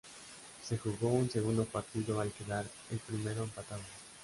Se jugó un segundo partido al quedar el primero empatado.